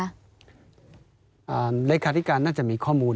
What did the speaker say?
อ่ารายความคาดิการน่าจะมีข้อมูล